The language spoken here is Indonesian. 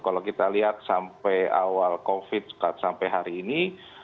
kalau kita lihat sampai awal covid sampai hari ini